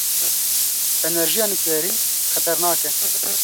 Enerjiya nuklerî xeternak e.